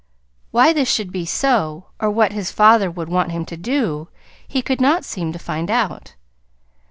Why this should be so, or what his father would want him to do, he could not seem to find out.